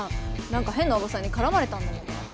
何か変なおばさんに絡まれたんだけど。